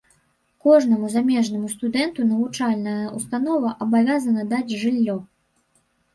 Кожнаму замежнаму студэнту навучальная ўстанова абавязана даць жыллё.